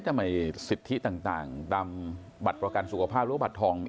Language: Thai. สิทธิต่างตามบัตรประกันสุขภาพหรือว่าบัตรทอง